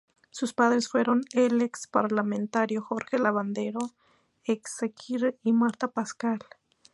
Sus padres fueron el ex parlamentario Jorge Lavandero Eyzaguirre y Marta Pascal.